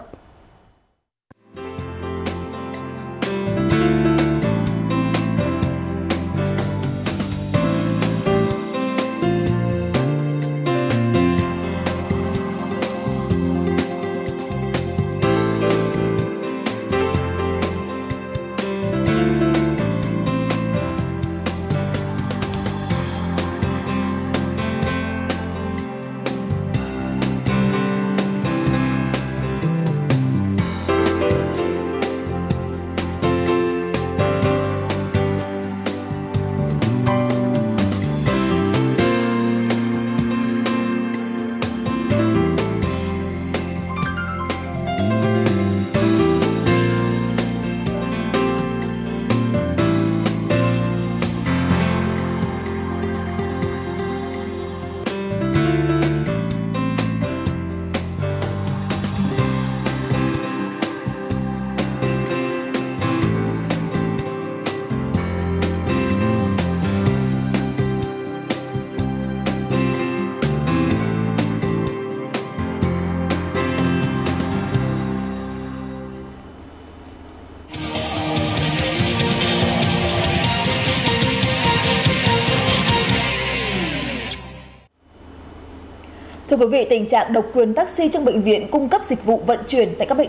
có khu riêng biệt để xe trong bệnh viện như thế này